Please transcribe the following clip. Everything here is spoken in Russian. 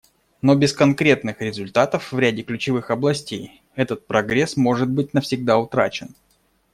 Но без конкретных результатов в ряде ключевых областей этот прогресс может быть навсегда утрачен.